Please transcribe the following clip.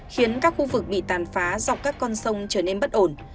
khiến các khu vực bị tàn phá dọc các con sông trở nên bất ổn